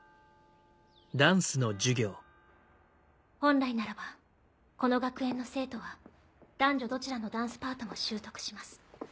本来ならばこの学園の生徒は男女どちらのダンスパートも習得します。